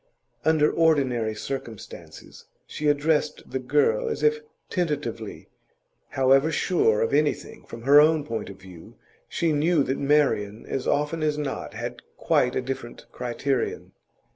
Under ordinary circumstances she addressed the girl as if tentatively; however sure of anything from her own point of view, she knew that Marian, as often as not, had quite a different criterion.